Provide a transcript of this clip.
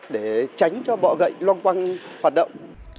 để tránh cho bọ gậy loang quang hoạt động